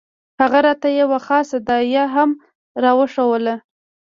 هغه راته يوه خاصه دعايه هم راوښووله.